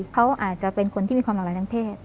เขาอาจจะเป็นคนที่มีความหลากหลายทางเพศ